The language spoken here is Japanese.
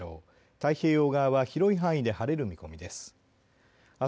太平洋側は広い範囲で晴れる見込みです。